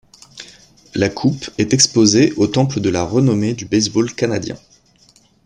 La coupe est exposée au Temple de la renommée du baseball canadien.